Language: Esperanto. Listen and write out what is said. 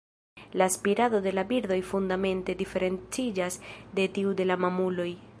La spirado de la birdoj fundamente diferenciĝas de tiu de la mamuloj.